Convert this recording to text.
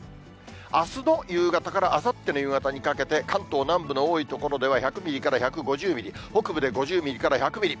あすの夕方からあさっての夕方にかけて、関東南部の多い所では１００ミリから１５０ミリ、北部で５０ミリから１００ミリ。